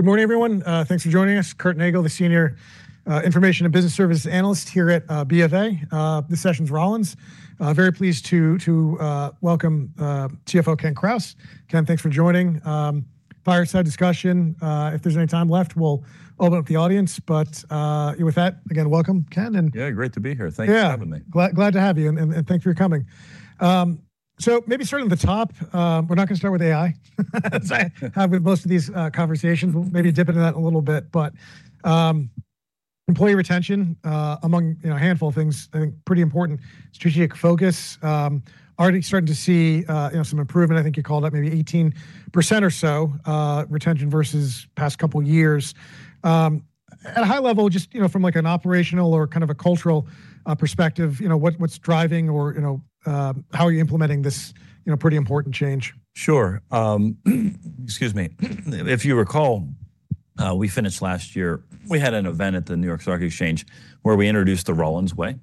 Good morning, everyone. Thanks for joining us. Curtis Nagle, the Senior Business and Information Services Analyst here at BofA. This session's Rollins. Very pleased to welcome CFO Kenneth Krause. Ken, thanks for joining fireside discussion. If there's any time left, we'll open up the audience. With that, again, welcome, Ken. Yeah, great to be here. Yeah. Thanks for having me. Glad to have you and thank you for coming. So maybe starting at the top, we're not gonna start with AI. As I have with most of these conversations. We'll maybe dip into that a little bit, but employee retention, among you know a handful of things, I think pretty important strategic focus, already starting to see you know some improvement. I think you called out maybe 18% or so retention versus past couple years. At a high level, just you know from like an operational or kind of a cultural perspective, you know what's driving or you know how are you implementing this you know pretty important change? Sure. Excuse me. If you recall, we finished last year, we had an event at the New York Stock Exchange where we introduced the Rollins Way,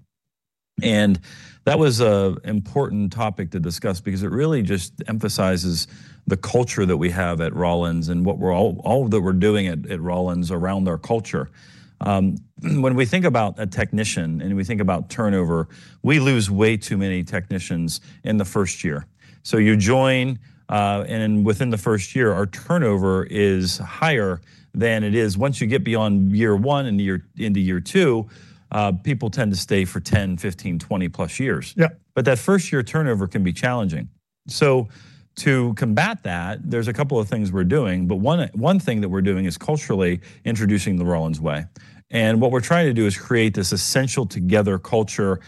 and that was an important topic to discuss because it really just emphasizes the culture that we have at Rollins and all of that we're doing at Rollins around our culture. When we think about a technician and we think about turnover, we lose way too many technicians in the first year. You join, and within the first year, our turnover is higher than it is once you get beyond year one into year two, people tend to stay for 10, 15, +20 years. Yeah. That first year turnover can be challenging. To combat that, there's a couple of things we're doing, but one thing that we're doing is culturally introducing the Rollins Way. What we're trying to do is create this essential together culture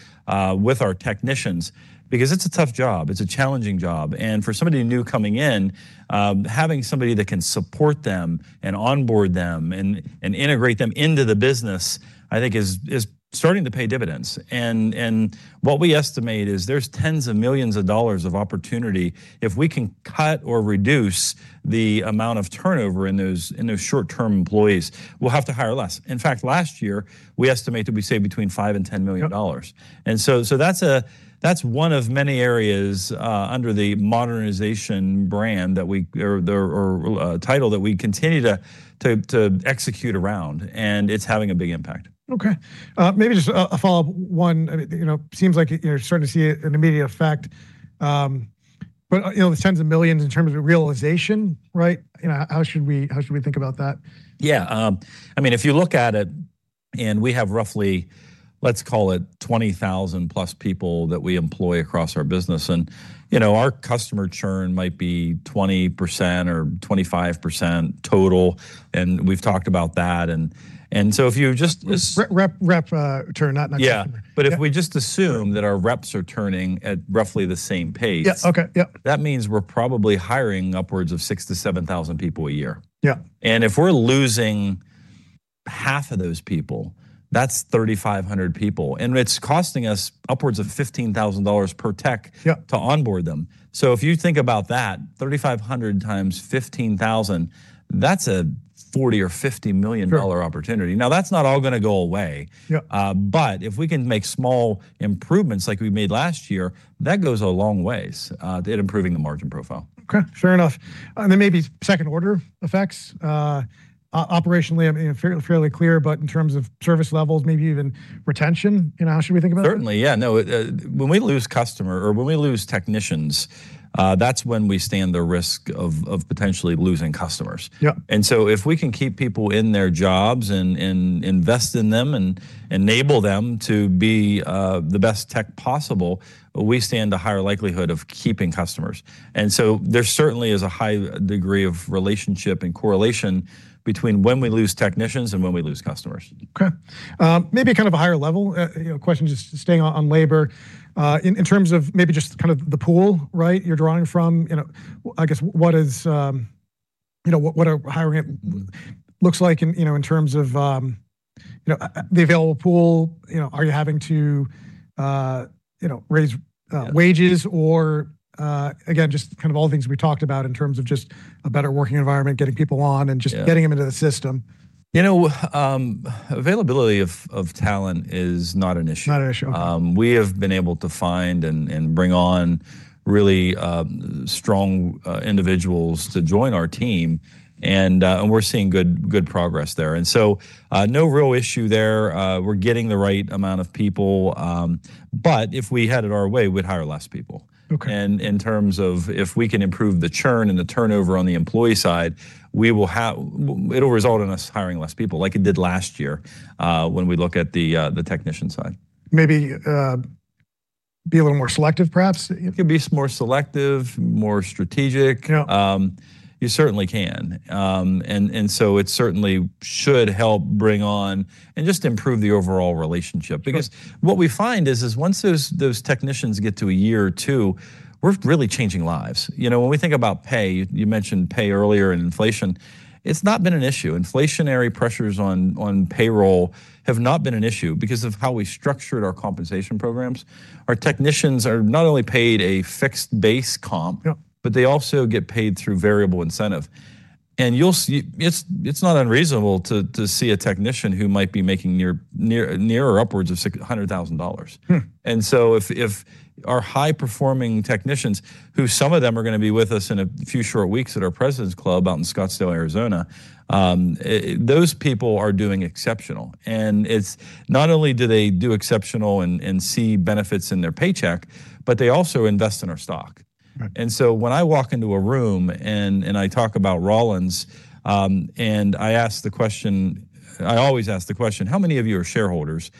with our technicians because it's a tough job. It's a challenging job. For somebody new coming in, having somebody that can support them and onboard them and integrate them into the business, I think is starting to pay dividends. What we estimate is there's tens of millions of dollars of opportunity if we can cut or reduce the amount of turnover in those short-term employees, we'll have to hire less. In fact, last year, we estimate that we saved between $5 million-$10 million. Yep. That's one of many areas under the modernization brand title that we continue to execute around, and it's having a big impact. Okay. Maybe just a follow-up one. I mean, you know, seems like you're starting to see an immediate effect. You know, the tens of millions in terms of realization, right? You know, how should we think about that? Yeah. I mean, if you look at it and we have roughly, let's call it +20,000 people that we employ across our business, and, you know, our customer churn might be 20% or 25% total, and we've talked about that. Rep, churn, not customer. Yeah. Yeah. If we just assume that our reps are churning at roughly the same pace that means we're probably hiring upwards of 6,000-7,000 people a year. Yeah. If we're losing half of those people, that's 3,500 people, and it's costing us upwards of $15,000 million per tech to onboard them. If you think about that, 3,500 times 15,000, that's a $40 million or $50 million opportunity. Now, that's not all gonna go away. Yep. If we can make small improvements like we made last year, that goes a long ways to improving the margin profile. Okay. Fair enough. Maybe second order effects, operationally, I mean, fairly clear, but in terms of service levels, maybe even retention, you know, how should we think about that? Certainly, yeah. No, when we lose customer, or when we lose technicians, that's when we stand the risk of potentially losing customers. Yep. If we can keep people in their jobs and invest in them and enable them to be the best tech possible, we stand a higher likelihood of keeping customers. There certainly is a high degree of relationship and correlation between when we lose technicians and when we lose customers. Okay. Maybe kind of a higher level, you know, question, just staying on labor. In terms of maybe just kind of the pool, right? You're drawing from, you know, I guess what is, you know, what our hiring looks like in, you know, in terms of, you know, the available pool, you know, are you having to, you know, raise wages or, again, just kind of all the things we talked about in terms of just a better working environment, getting people on and just getting them into the system. You know, availability of talent is not an issue. Not an issue, okay. We have been able to find and bring on really strong individuals to join our team and we're seeing good progress there. No real issue there. We're getting the right amount of people. If we had it our way, we'd hire less people. Okay. In terms of if we can improve the churn and the turnover on the employee side, it'll result in us hiring less people like it did last year, when we look at the technician side. Maybe, be a little more selective, perhaps? You can be more selective, more strategic. Yeah. You certainly can. It certainly should help bring on and just improve the overall relationship. Sure. Because what we find is once those technicians get to a year or two, we're really changing lives. You know, when we think about pay, you mentioned pay earlier and inflation, it's not been an issue. Inflationary pressures on payroll have not been an issue because of how we structured our compensation programs. Our technicians are not only paid a fixed base comp but they also get paid through variable incentive. You'll see, it's not unreasonable to see a technician who might be making near or upwards of $100,000 million. If our high-performing technicians, who some of them are gonna be with us in a few short weeks at our President's Club out in Scottsdale, Arizona, those people are doing exceptional. It's not only do they do exceptional and see benefits in their paycheck, but they also invest in our stock. Right. When I walk into a room and I talk about Rollins, and I ask the question, I always ask the question, "How many of you are shareholders?"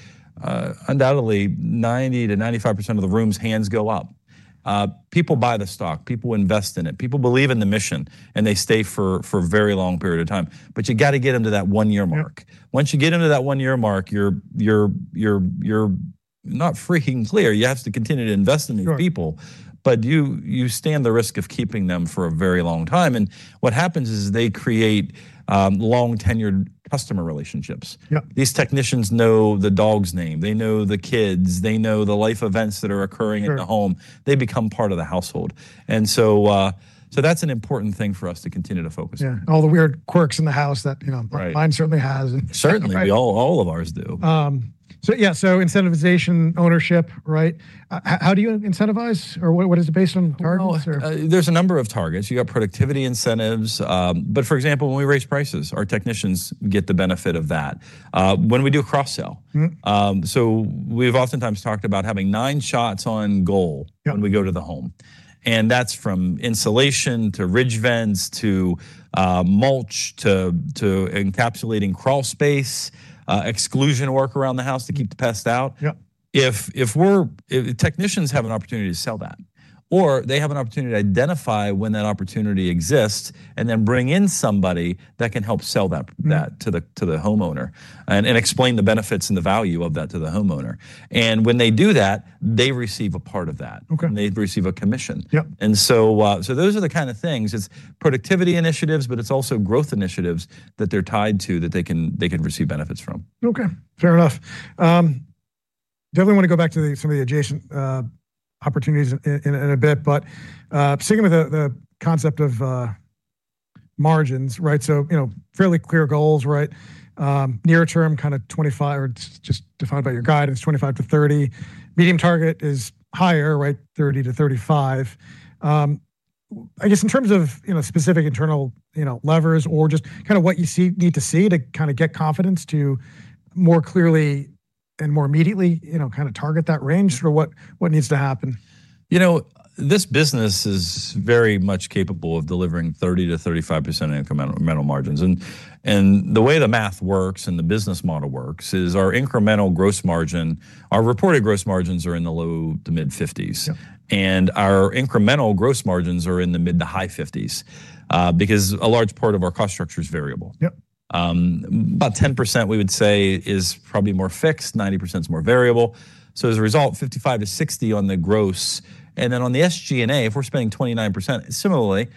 Undoubtedly 90%-95% of the room's hands go up. People buy the stock. People invest in it. People believe in the mission, and they stay for a very long period of time. But you gotta get them to that one-year mark. Yep. Once you get them to that one-year mark, you're not free and clear. You have to continue to invest in these people. Sure You stand the risk of keeping them for a very long time. What happens is they create long-tenured customer relationships. Yep. These technicians know the dog's name. They know the kids. They know the life events that are occurring in the home. Sure. They become part of the household. That's an important thing for us to continue to focus on. Yeah, all the weird quirks in the house that, you know. Right Mine certainly has. Certainly. All of ours do. Yeah, incentivization, ownership, right? How do you incentivize? What is it based on, targets or? Well, there's a number of targets. You got productivity incentives, but for example, when we raise prices, our technicians get the benefit of that. When we do a cross-sell we've oftentimes talked about having nine shots on goal. Yep When we go to the home, and that's from insulation to ridge vents to mulch to encapsulating crawl space, exclusion work around the house to keep the pests out. Yep. If technicians have an opportunity to sell that or they have an opportunity to identify when that opportunity exists and then bring in somebody that can help sell that to the homeowner and explain the benefits and the value of that to the homeowner. When they do that, they receive a part of that. Okay. They receive a commission. Yep. Those are the kind of things. It's productivity initiatives, but it's also growth initiatives that they're tied to that they can receive benefits from. Okay. Fair enough. Definitely wanna go back to some of the adjacent opportunities in a bit, but sticking with the concept of margins, right? You know, fairly clear goals, right? Near term, kinda 25, or just defined by your guidance, 25%-30%. Medium target is higher, right? 30%-35%. I guess in terms of, you know, specific internal, you know, levers or just kinda what you need to see to kinda get confidence to more clearly and more immediately, you know, kinda target that range. What needs to happen? You know, this business is very much capable of delivering 30%-35% incremental margins. The way the math works and the business model works is our incremental gross margin, our reported gross margins are in the low- to mid-50s%. Yep. Our incremental gross margins are in the mid- to high 50s%, because a large part of our cost structure is variable. Yep. About 10% we would say is probably more fixed, 90% is more variable, so as a result, 55%-60% on the gross. Then on the SG&A, if we're spending 29%, similarly,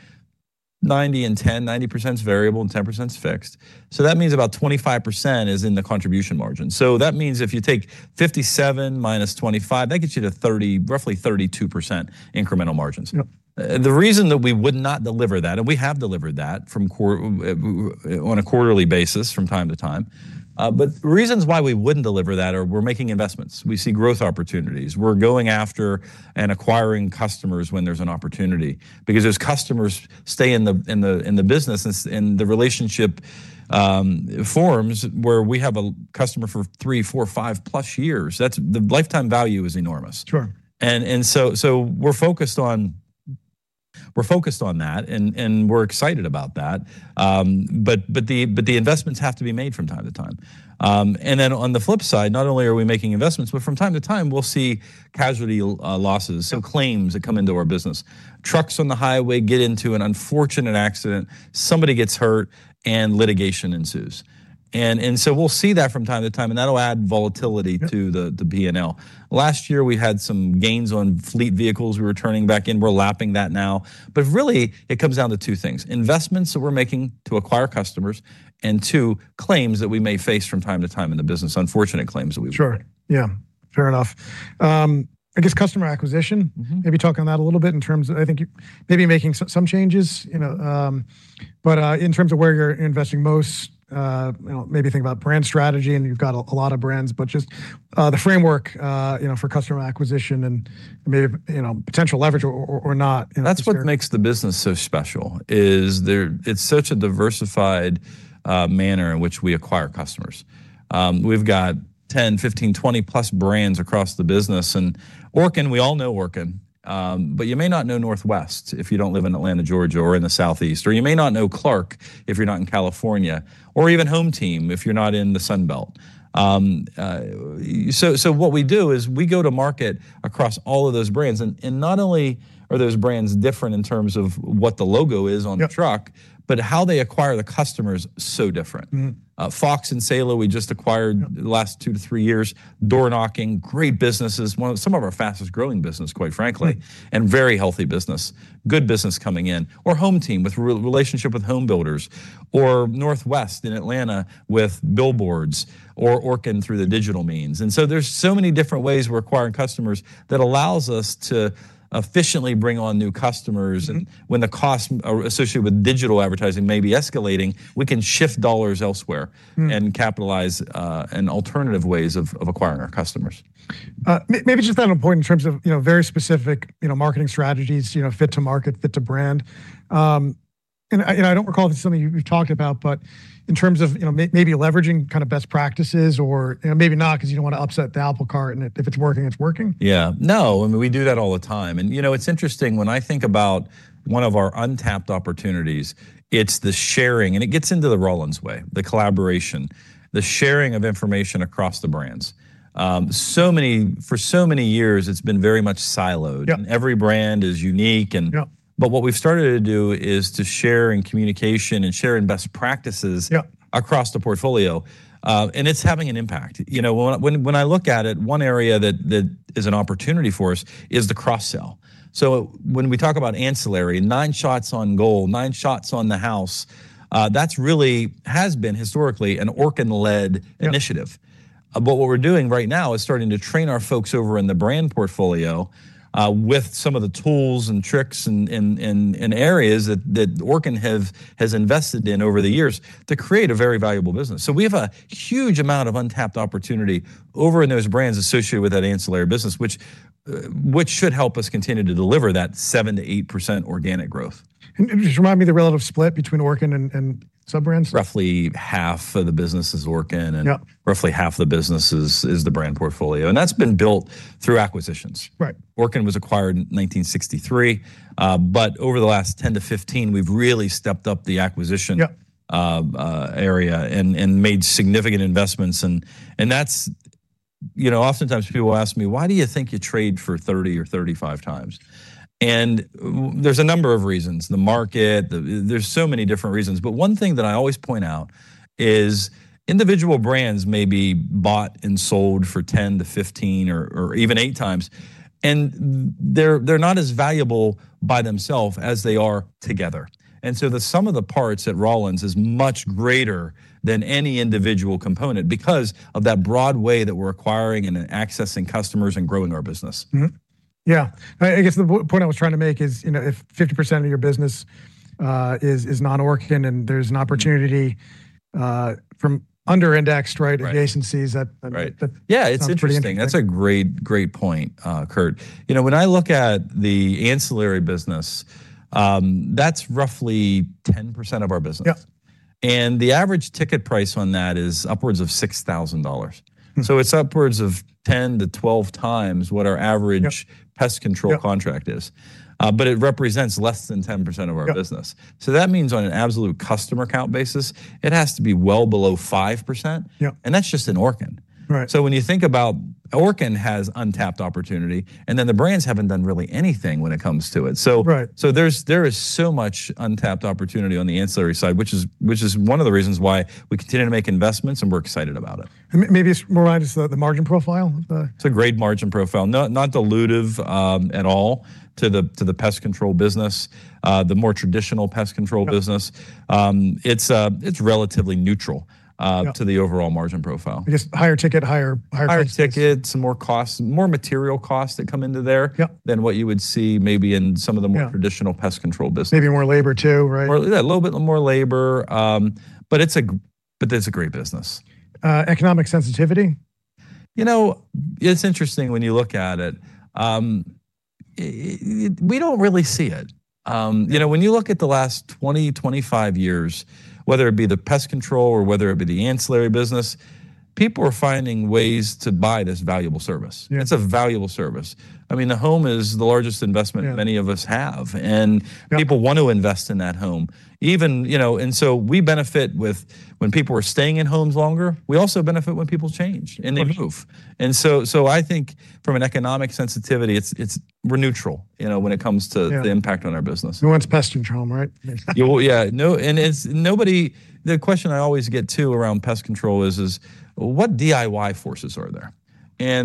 90 and 10, 90% is variable and 10% is fixed. That means about 25% is in the contribution margin. That means if you take 57% - 25%, that gets you to 30%, roughly 32% incremental margins. Yep. The reason that we would not deliver that, we have delivered that on a quarterly basis from time to time, reasons why we wouldn't deliver that are we're making investments. We see growth opportunities. We're going after and acquiring customers when there's an opportunity because as customers stay in the business and the relationship forms where we have a customer for 3, 4, +5 years, that's the lifetime value is enormous. Sure. We're focused on that and we're excited about that. The investments have to be made from time to time. On the flip side, not only are we making investments, but from time to time we'll see casualty losses. Sure Claims that come into our business. Trucks on the highway get into an unfortunate accident, somebody gets hurt, and litigation ensues. We'll see that from time to time, and that'll add volatility to the P&L. Last year we had some gains on fleet vehicles we were turning back in. We're lapping that now. Really, it comes down to two things, investments that we're making to acquire customers, and two, claims that we may face from time to time in the business, unfortunate claims that we face. Sure. Yeah. Fair enough. I guess customer acquisition. Maybe talk on that a little bit in terms of, I think, maybe making some changes, you know, but in terms of where you're investing most, you know, maybe think about brand strategy, and you've got a lot of brands, but just the framework, you know, for customer acquisition and maybe, you know, potential leverage or not, you know, et cetera. That's what makes the business so special is there, it's such a diversified manner in which we acquire customers. We've got 10, 15, +20 brands across the business, and Orkin, we all know Orkin, but you may not know Northwest if you don't live in Atlanta, Georgia or in the Southeast, or you may not know Clark if you're not in California, or even HomeTeam if you're not in the Sun Belt. What we do is we go to market across all of those brands, and not only are those brands different in terms of what the logo is on the truck. Yep How they acquire the customer is so different. Fox and Saela we just acquired the last 2-3 years, door knocking, great businesses, some of our fastest growing business, quite frankly. Great Very healthy business, good business coming in. HomeTeam with relationship with home builders. Northwest in Atlanta with billboards or Orkin through the digital means. There's so many different ways we're acquiring customers that allows us to efficiently bring on new customers. When the costs associated with digital advertising may be escalating, we can shift dollars elsewhere. Capitalize on alternative ways of acquiring our customers. Maybe just that on point in terms of, you know, very specific, you know, marketing strategies, you know, fit to market, fit to brand. I don't recall if this is something you've talked about, but in terms of, you know, maybe leveraging kind of best practices. Maybe not 'cause you don't wanna upset the apple cart, and if it's working, it's working. Yeah. No, I mean, we do that all the time. You know, it's interesting when I think about one of our untapped opportunities. It's the sharing. It gets into the Rollins Way, the collaboration, the sharing of information across the brands. For so many years, it's been very much siloed. Yeah. Every brand is unique. Yeah What we've started to do is to share in communication and share in best practices. Yeah Across the portfolio. It's having an impact. You know, when I look at it, one area that is an opportunity for us is the cross-sell. When we talk about ancillary, nine shots on goal, nine shots on the house, that's really has been historically an Orkin-led initiative. Yeah. What we're doing right now is starting to train our folks over in the brand portfolio with some of the tools and tricks and areas that Orkin has invested in over the years to create a very valuable business. We have a huge amount of untapped opportunity over in those brands associated with that ancillary business which should help us continue to deliver that 7%-8% organic growth. Just remind me the relative split between Orkin and sub-brands. Roughly half of the business is Orkin and. Yeah Roughly half the business is the brand portfolio, and that's been built through acquisitions. Right. Orkin was acquired in 1963. Over the last 10-15, we've really stepped up the acquisition. Yeah You know, oftentimes people ask me, "Why do you think you trade for 30x or 35x?" There's a number of reasons, the market. There's so many different reasons, but one thing that I always point out is individual brands may be bought and sold for 10x-15x or even 8x, and they're not as valuable by themselves as they are together. The sum of the parts at Rollins is much greater than any individual component because of that broad way that we're acquiring and then accessing customers and growing our business. I guess the point I was trying to make is, you know, if 50% of your business is non-Orkin and there's an opportunity from under-indexed, right? Right Adjacencies that sounds pretty interesting. Right. Yeah, it's interesting. That's a great point, Curtis. You know, when I look at the ancillary business, that's roughly 10% of our business. Yeah. The average ticket price on that is upwards of $6,000 million. It's upwards of 10-12 times what our average pest control contract. Yeah It represents less than 10% of our business. Yeah. That means on an absolute customer count basis, it has to be well below 5%. Yeah. That's just in Orkin. Right. When you think about Orkin has untapped opportunity, and then the brands haven't done really anything when it comes to it. Right There is so much untapped opportunity on the ancillary side which is one of the reasons why we continue to make investments and we're excited about it. Maybe it's more around just the margin profile of the? It's a great margin profile. Not dilutive at all to the pest control business, the more traditional pest control business. Yeah. It's relatively neutral to the overall margin profile. Just higher ticket, higher prices. Higher ticket, some more costs, more material costs that come into there. Yeah Than what you would see maybe in some of the more traditional pest control business. Maybe more labor too, right? More, yeah, a little bit more labor. It's a great business. Economic sensitivity? You know, it's interesting when you look at it. We don't really see it. You know, when you look at the last 20, 25 years, whether it be the pest control or whether it be the ancillary business, people are finding ways to buy this valuable service. Yeah. It's a valuable service. I mean, the home is the largest investment. Yeah Many of us have. Yeah People want to invest in that home. Even, you know, and so we benefit when people are staying in homes longer. We also benefit when people change and they move. Of course. I think from an economic sensitivity, we're neutral, you know, when it comes to. Yeah The impact on our business. Who wants pest control, right? Well, the question I always get to around pest control is, "Well, what DIY forces are there?"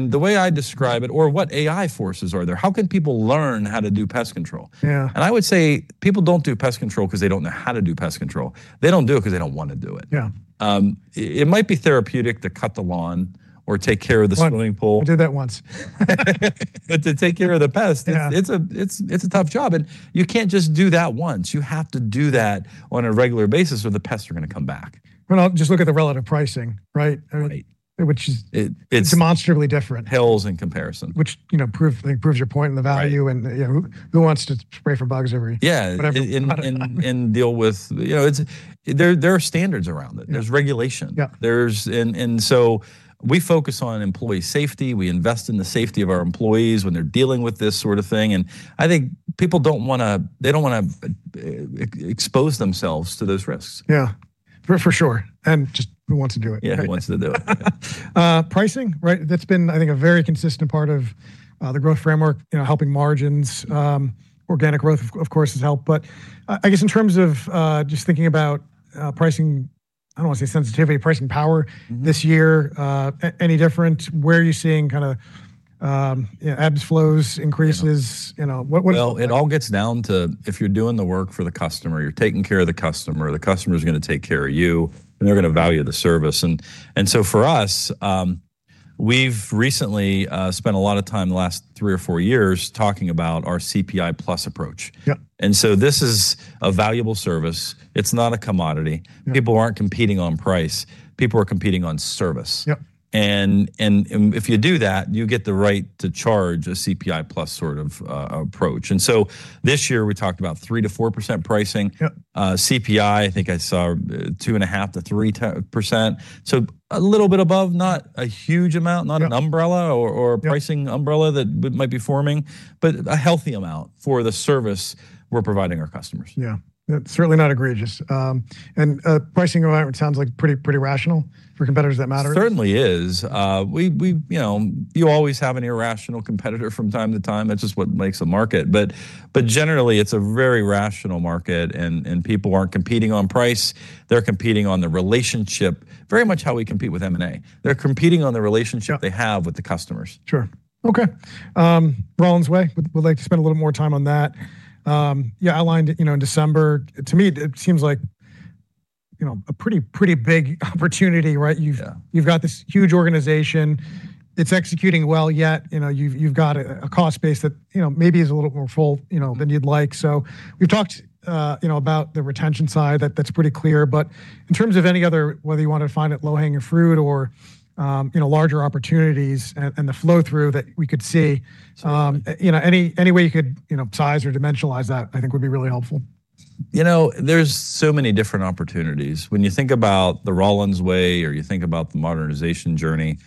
The way I describe it, "Or what DIY forces are there? How can people learn how to do pest control? Yeah. I would say people don't do pest control 'cause they don't know how to do pest control. They don't do it 'cause they don't wanna do it. Yeah. It might be therapeutic to cut the lawn or take care of the swimming pool. Well, I did that once. To take care of the pests. Yeah It's a tough job, and you can't just do that once. You have to do that on a regular basis or the pests are gonna come back. Well, just look at the relative pricing, right? I mean which is demonstrably different. Right It, it's hills in comparison. Which, you know, I think proves your point and the value ,you know, who wants to spray for bugs every whatever, amount of time? Deal with. You know, it's. There are standards around it. Yeah. There's regulation. Yeah. We focus on employee safety. We invest in the safety of our employees when they're dealing with this sort of thing, and I think people don't wanna, they don't wanna expose themselves to those risks. Yeah. For sure, and just who wants to do it, right? Yeah, who wants to do it? Pricing, right? That's been I think a very consistent part of the growth framework, you know, helping margins. Organic growth of course has helped, but I guess in terms of just thinking about pricing. I don't wanna say sensitivity, pricing power this year. Any different? Where are you seeing kinda yeah, ebbs, flows, increases? Yeah You know, what. Well, it all gets down to if you're doing the work for the customer, you're taking care of the customer, the customer's gonna take care of you, and they're gonna value the service. For us, we've recently spent a lot of time the last three or four years talking about our CPI plus approach. Yeah. This is a valuable service. It's not a commodity. Yeah. People aren't competing on price. People are competing on service. Yeah. If you do that, you get the right to charge a CPI plus sort of approach. This year we talked about 3%-4% pricing. Yeah. CPI, I think I saw 2.5%-3%, so a little bit above, not a huge amount not an umbrella or a pricing umbrella that might be forming, but a healthy amount for the service we're providing our customers. Yeah. Yeah, certainly not egregious. Pricing environment sounds like pretty rational for competitors that matter. Certainly is. We, you know, you always have an irrational competitor from time to time. That's just what makes a market. Generally, it's a very rational market and people aren't competing on price. They're competing on the relationship, very much how we compete with M&A. They're competing on the relationship. Yeah They have with the customers. Sure. Okay. Rollins Way, would like to spend a little more time on that. Yeah, outlined it, you know, in December. To me, it seems like, you know, a pretty big opportunity, right? Yeah. You've got this huge organization, it's executing well, yet you know, you've got a cost base that you know, maybe is a little more full, you know, than you'd like. We've talked you know, about the retention side, that's pretty clear. In terms of any other, whether you want to find it low-hanging fruit or you know, larger opportunities and the flow-through that we could see you know, any way you could you know, size or dimensionalize that I think would be really helpful. You know, there's so many different opportunities. When you think about the Rollins Way or you think about the modernization journey,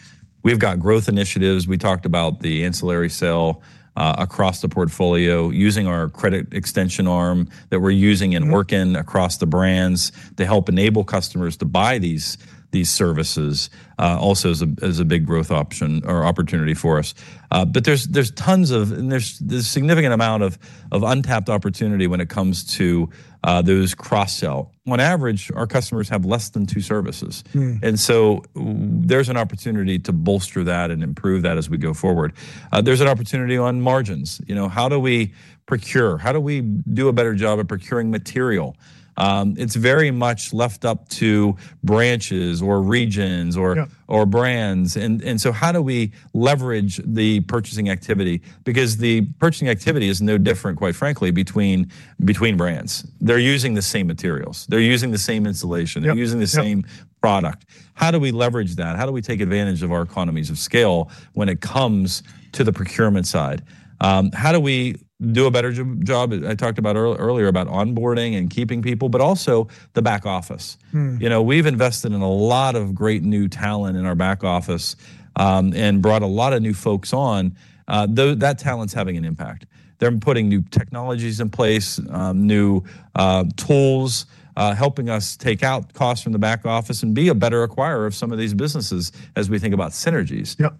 we've got growth initiatives. We talked about the ancillary sell across the portfolio using our credit extension arm that we're using working across the brands to help enable customers to buy these services, also as a big growth option or opportunity for us. There's this significant amount of untapped opportunity when it comes to those cross-sell. On average, our customers have less than two services. There's an opportunity to bolster that and improve that as we go forward. There's an opportunity on margins. You know, how do we procure? How do we do a better job at procuring material? It's very much left up to branches or regions or brands. How do we leverage the purchasing activity? Because the purchasing activity is no different, quite frankly, between brands. They're using the same materials. They're using the same insulation. Yep, yep. They're using the same product. How do we leverage that? How do we take advantage of our economies of scale when it comes to the procurement side? How do we do a better job, I talked about earlier about onboarding and keeping people, but also the back office. You know, we've invested in a lot of great new talent in our back office, and brought a lot of new folks on. That talent's having an impact. They're putting new technologies in place, new tools, helping us take out costs from the back office and be a better acquirer of some of these businesses as we think about synergies. Yep.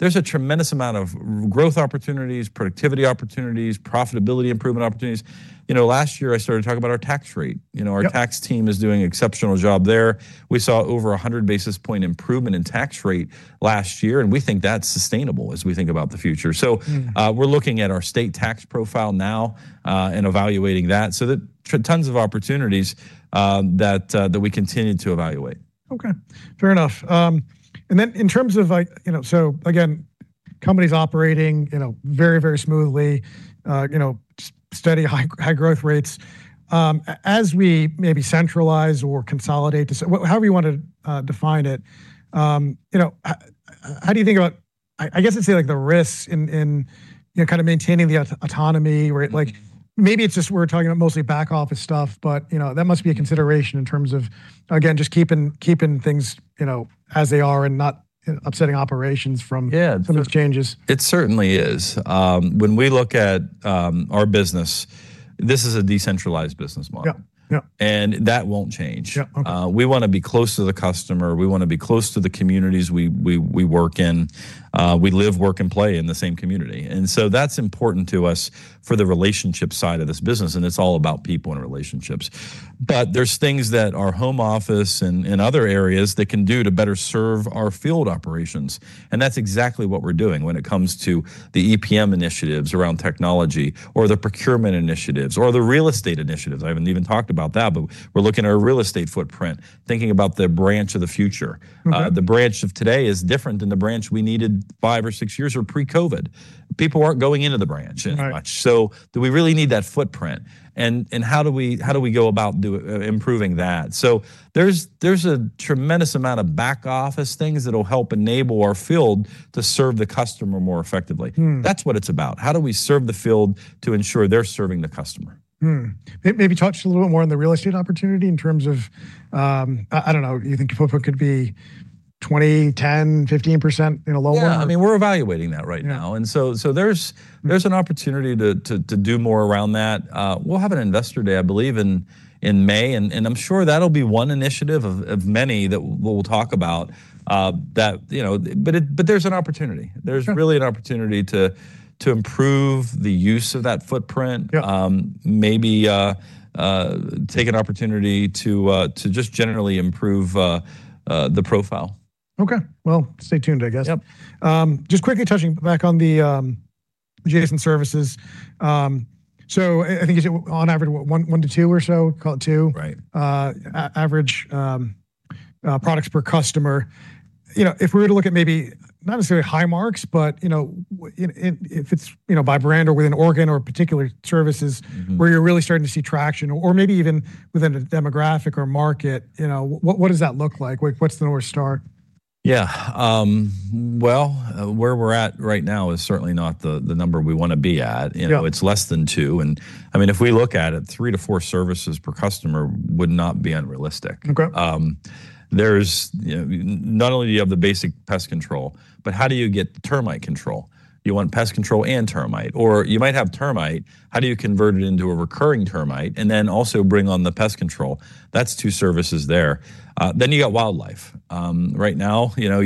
There's a tremendous amount of growth opportunities, productivity opportunities, profitability improvement opportunities. You know, last year, I started talking about our tax rate. You know. Yep Our tax team is doing exceptional job there. We saw over 100 basis point improvement in tax rate last year, and we think that's sustainable as we think about the future. We're looking at our state tax profile now, and evaluating that. Tons of opportunities that we continue to evaluate. Okay. Fair enough. In terms of like, you know, so again, company's operating, you know, very smoothly, you know, steady high growth rates. As we maybe centralize or consolidate however you want to define it, you know, how do you think about, I guess I'd say like the risks in, you know, kind of maintaining the autonomy where it like maybe it's just we're talking about mostly back office stuff, but, you know, that must be a consideration in terms of, again, just keeping things, you know, as they are and not upsetting operations from those changes. It certainly is. When we look at our business, this is a decentralized business model. Yeah, yeah. That won't change. Yeah, okay. We wanna be close to the customer. We wanna be close to the communities we work in. We live, work, and play in the same community. That's important to us for the relationship side of this business, and it's all about people and relationships. There's things that our home office and other areas that can do to better serve our field operations, and that's exactly what we're doing when it comes to the EPM initiatives around technology or the procurement initiatives or the real estate initiatives. I haven't even talked about that, but we're looking at our real estate footprint, thinking about the branch of the future. Okay. The branch of today is different than the branch we needed five or six years or pre-COVID. People aren't going into the branch as much. Right. Do we really need that footprint? How do we go about improving that? There's a tremendous amount of back office things that'll help enable our field to serve the customer more effectively. That's what it's about. How do we serve the field to ensure they're serving the customer? Maybe touch a little more on the real estate opportunity in terms of, I don't know, you think footprint could be 20, 10, 15%, you know, lower? Yeah. I mean, we're evaluating that right now. Yeah. There's an opportunity to do more around that. We'll have an investor day, I believe, in May, and I'm sure that'll be one initiative of many that we'll talk about, you know, that there's an opportunity. Sure. There's really an opportunity to improve the use of that footprint. Yeah. Maybe take an opportunity to just generally improve the profile. Okay. Well, stay tuned, I guess. Yep. Just quickly touching back on the adjacent services. I think you said on average one - two or so, call it two average products per customer. You know, if we were to look at maybe not necessarily high marks, but, you know, and if it's, you know, by brand or within Orkin or particular services. Where you're really starting to see traction, or maybe even within a demographic or market, you know, what does that look like? Like, what's the North Star? Yeah. Well, where we're at right now is certainly not the number we wanna be at. Yeah. You know, it's less than two, and I mean, if we look at it, three-four services per customer would not be unrealistic. Okay. There's, you know, not only do you have the basic pest control, but how do you get the termite control? You want pest control and termite, or you might have termite, how do you convert it into a recurring termite, and then also bring on the pest control? That's two services there. Then you got wildlife. Right now, you know,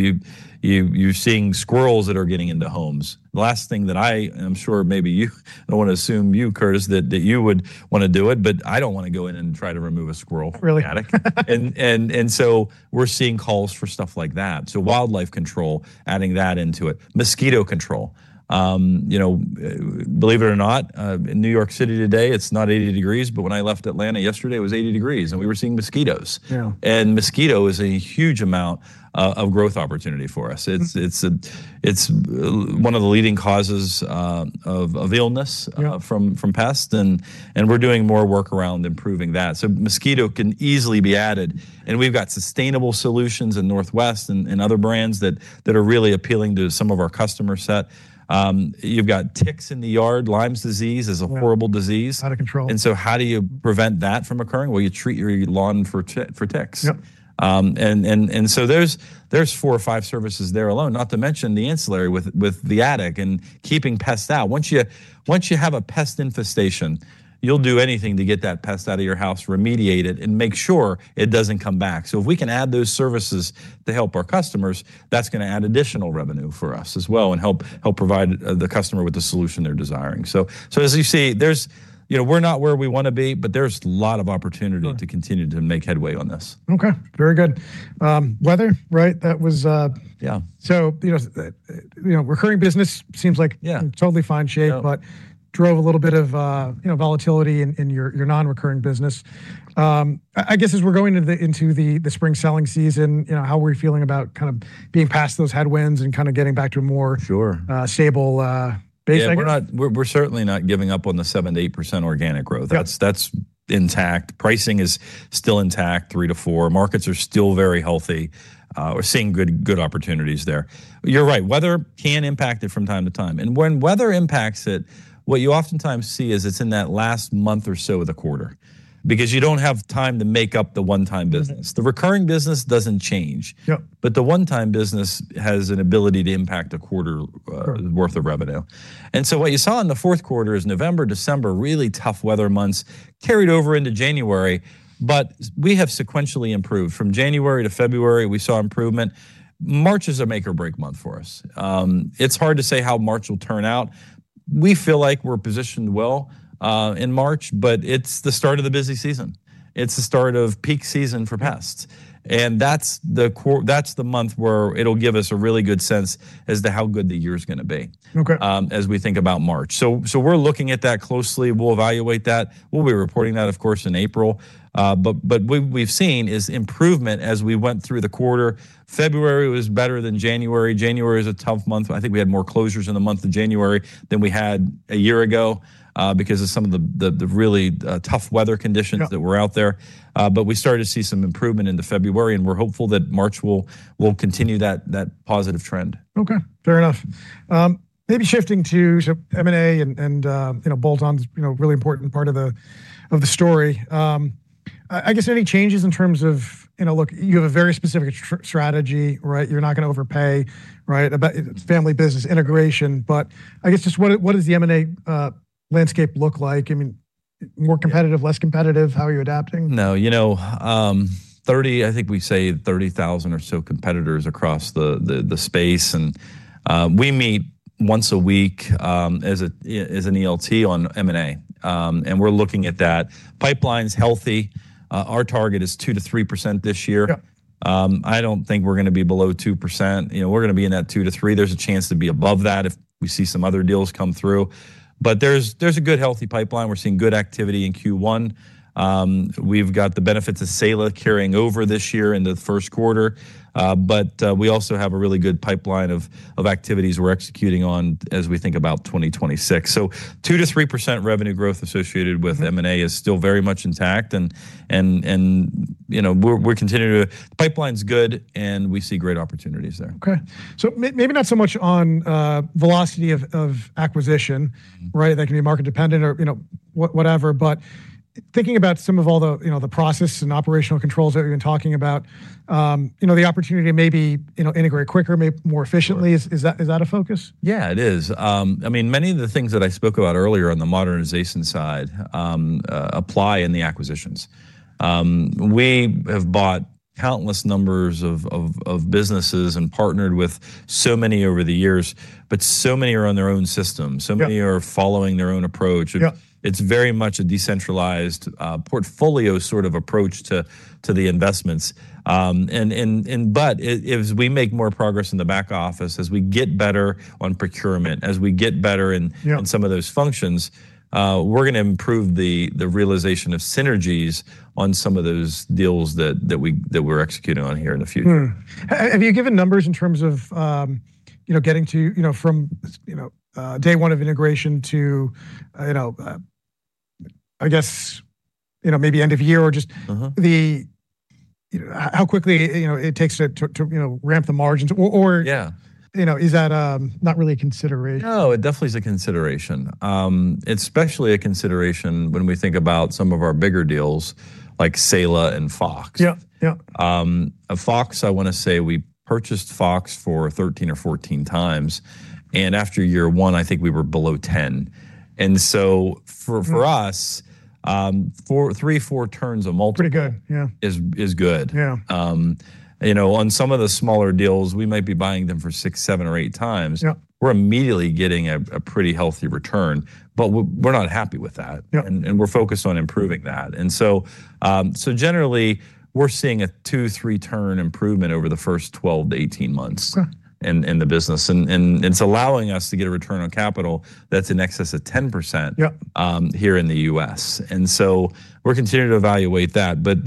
you're seeing squirrels that are getting into homes. The last thing that I am sure maybe you, I don't wanna assume you, Curtis, that you would wanna do it, but I don't wanna go in and try to remove a squirrel. Really? From the attic. We're seeing calls for stuff like that. Wildlife control, adding that into it. Mosquito control. You know, believe it or not, in New York City today, it's not 80 degrees, but when I left Atlanta yesterday it was 80 degrees, and we were seeing mosquitoes. Yeah. Mosquito is a huge amount of growth opportunity for us. It's one of the leading causes of illness. Yeah From pests, and we're doing more work around improving that. Mosquito can easily be added, and we've got sustainable solutions in Northwest and other brands that are really appealing to some of our customer set. You've got ticks in the yard. Lyme disease is a horrible disease. Out of control. How do you prevent that from occurring? Well, you treat your lawn for ticks. Yep. There's four or five services there alone, not to mention the ancillary with the attic and keeping pests out. Once you have a pest infestation, you'll do anything to get that pest out of your house, remediate it, and make sure it doesn't come back. If we can add those services to help our customers, that's gonna add additional revenue for us as well and help provide the customer with the solution they're desiring. As you see, there's, you know, we're not where we wanna be, but there's a lot of opportunity to continue to make headway on this. Okay. Very good. Weather, right? That was Yeah You know, recurring business seems like in totally fine shape drove a little bit of, you know, volatility in your non-recurring business. I guess as we're going into the spring selling season, you know, how are we feeling about kind of being past those headwinds and kind of getting back to a more stable base, I guess. Yeah, we're certainly not giving up on the 7%-8% organic growth. Yep. That's intact. Pricing is still intact, 3%-4%. Markets are still very healthy. We're seeing good opportunities there. You're right, weather can impact it from time to time, and when weather impacts it, what you oftentimes see is it's in that last month or so of the quarter, because you don't have time to make up the one-time business. The recurring business doesn't change. Yep. The one-time business has an ability to impact a quarter worth of revenue. What you saw in the fourth quarter is November, December, really tough weather months, carried over into January, but we have sequentially improved. From January to February, we saw improvement. March is a make or break month for us. It's hard to say how March will turn out. We feel like we're positioned well in March, but it's the start of the busy season. It's the start of peak season for pests, and that's the month where it'll give us a really good sense as to how good the year's gonna be as we think about March. We're looking at that closely. We'll evaluate that. We'll be reporting that, of course, in April. But what we've seen is improvement as we went through the quarter. February was better than January. January was a tough month. I think we had more closures in the month of January than we had a year ago, because of some of the really tough weather conditions that were out there. We started to see some improvement into February, and we're hopeful that March will continue that positive trend. Okay. Fair enough. Maybe shifting to M&A and, you know, bolt-ons, you know, a really important part of the story. I guess any changes in terms of, you know, look, you have a very specific strategy, right? You're not gonna overpay, right? About, it's family business integration. I guess just what does the M&A landscape look like? I mean, more competitive less competitive? How are you adapting? No, you know, 30, I think we say 30,000 or so competitors across the space and we meet once a week as an ELT on M&A. We're looking at that. Pipeline's healthy. Our target is 2%-3% this year. Yep. I don't think we're gonna be below 2%. You know, we're gonna be in that 2%-3%. There's a chance to be above that if we see some other deals come through. There's a good healthy pipeline. We're seeing good activity in Q1. We've got the benefits of Saela carrying over this year into the first quarter. We also have a really good pipeline of activities we're executing on as we think about 2026. 2%-3% revenue growth associated with M&A is still very much intact, and you know, pipeline's good, and we see great opportunities there. Okay. Maybe not so much on velocity of acquisition. Right? That can be market dependent or, you know, whatever, but thinking about some of all the, you know, the process and operational controls that you're talking about, you know, the opportunity to maybe, you know, integrate quicker, more efficiently. Is that a focus? Yeah, it is. I mean, many of the things that I spoke about earlier on the modernization side apply in the acquisitions. We have bought countless numbers of businesses and partnered with so many over the years, but so many are on their own system. Yeah. Many are following their own approach. Yeah. It's very much a decentralized portfolio sort of approach to the investments. We make more progress in the back office, as we get better on procurement, as we get better in on some of those functions, we're gonna improve the realization of synergies on some of those deals that we're executing on here in the future. Have you given numbers in terms of, you know, getting to, you know, from, you know, day one of integration to, you know, I guess, you know, maybe end of year or just? You know, how quickly, you know, it takes to ramp the margins or you know, is that not really a consideration? No, it definitely is a consideration. Especially a consideration when we think about some of our bigger deals like Saela and Fox. Yeah, yeah. Fox, I wanna say we purchased Fox for 13x or 14x, and after year one I think we were below 10x. For us for three, four turns of multiple is good. Pretty good, yeah. Yeah. You know, on some of the smaller deals, we might be buying them for 6x, 7x or 8x. Yeah. We're immediately getting a pretty healthy return, but we're not happy with that. Yeah. We're focused on improving that. Generally we're seeing a two-three turn improvement over the first 12-18 months in the business. It's allowing us to get a return on capital that's in excess of 10%. Yeah Here in the US. We're continuing to evaluate that, but.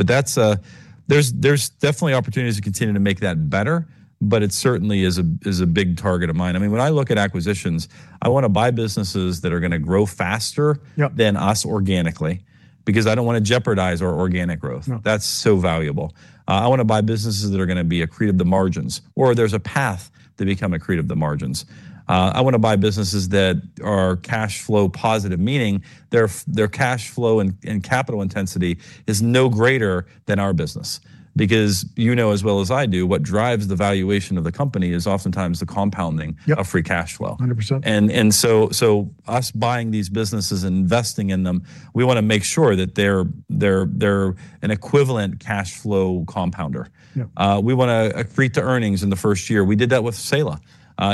There's definitely opportunities to continue to make that better, but it certainly is a big target of mine. I mean, when I look at acquisitions, I wanna buy businesses that are gonna grow faster than us organically, because I don't wanna jeopardize our organic growth. No. That's so valuable. I wanna buy businesses that are gonna be accretive to margins, or there's a path to become accretive to margins. I wanna buy businesses that are cash flow positive, meaning their cash flow and capital intensity is no greater than our business. Because you know as well as I do, what drives the valuation of the company is oftentimes the compounding. Yeah of free cash flow. 100%. Us buying these businesses, investing in them, we wanna make sure that they're an equivalent cash flow compounder. Yeah. We want to accrete to earnings in the first year. We did that with Saela.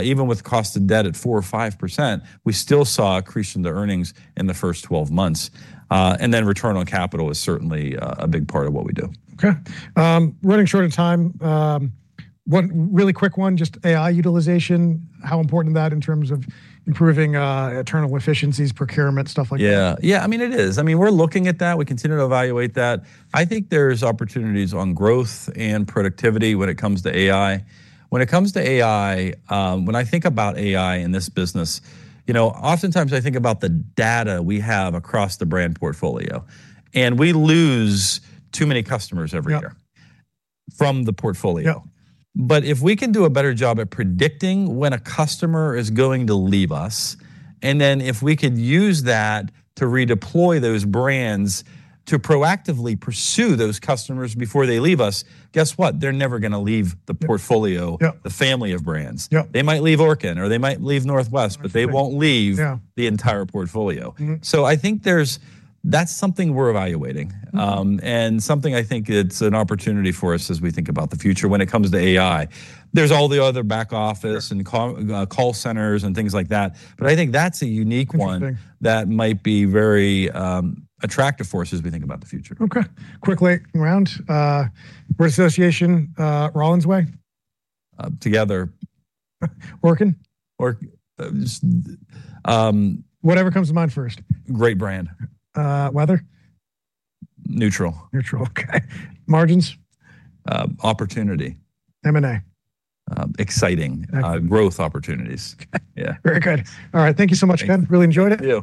Even with cost of debt at 4% or 5%, we still saw accretion to earnings in the first 12 months. Return on capital is certainly a big part of what we do. Okay. Running short of time. One really quick one. Just AI utilization, how important is that in terms of improving internal efficiencies, procurement, stuff like that? Yeah. Yeah. I mean, it is. I mean, we're looking at that. We continue to evaluate that. I think there's opportunities on growth and productivity when it comes to AI. When it comes to AI, when I think about AI in this business, you know, oftentimes I think about the data we have across the brand portfolio, and we lose too many customers every year from the portfolio. Yeah. If we can do a better job at predicting when a customer is going to leave us, and then if we could use that to redeploy those brands to proactively pursue those customers before they leave us, guess what? They're never gonna leave the portfolio the family of brands. Yeah. They might leave Orkin or they might leave Northwest. Northwest They won't leave. Yeah The entire portfolio. That's something we're evaluating something I think it's an opportunity for us as we think about the future when it comes to AI. There's all the other back office call centers and things like that, but I think that's a unique one. Interesting That might be very attractive for us as we think about the future. Okay. Quickly round, what association, Rollins Way? Together. Orkin? Orkin, just Great brand. Whatever comes to mind first. Weather? Neutral. Neutral. Okay. Margins? Opportunity. M&A? Exciting. Okay. Growth opportunities. Yeah. Very good. All right. Thank you so much, Ken. Thank you. Really enjoyed it.